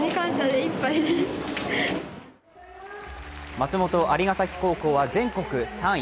松本蟻ヶ崎高校は全国３位。